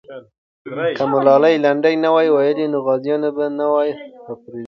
که ملالۍ لنډۍ نه وای ویلې، نو غازیان به نه وای راپارېدلي.